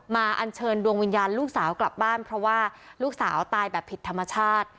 อันเชิญดวงวิญญาณลูกสาวกลับบ้านเพราะว่าลูกสาวตายแบบผิดธรรมชาติ